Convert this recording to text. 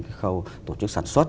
cái khâu tổ chức sản xuất